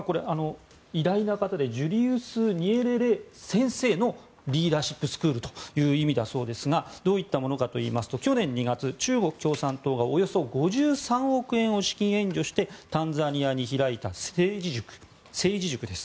偉大な方でジュリウス・ニエレレ先生のリーダーシップスクールという意味だそうですがどういったものかといいますと去年２月、中国共産党がおよそ５３億円の資金援助をしてタンザニアに開いた政治塾です。